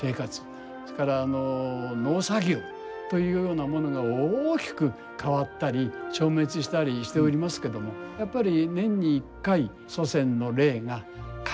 それから農作業というようなものが大きく変わったり消滅したりしておりますけどもやっぱり年に１回祖先の霊が帰ってきてくれる。